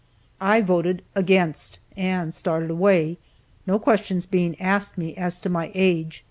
I voted "Against," and started away, no questions being asked me as to my age.